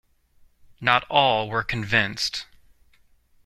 Not all were convinced.